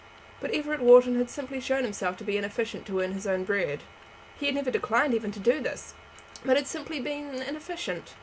But Everett Wharton had simply shown himself to be inefficient to earn his own bread. He had never declined even to do this, but had simply been inefficient.